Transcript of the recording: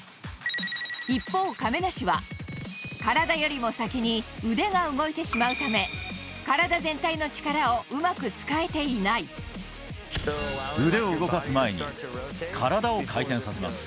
一方、亀梨は、体よりも先に腕が動いてしまうため、体全体の力をうまく使えてい腕を動かす前に、体を回転させます。